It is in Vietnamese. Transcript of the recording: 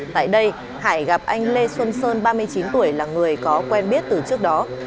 tại đây hải gặp anh lê xuân sơn ba mươi chín tuổi là người có quen biết từ trước đó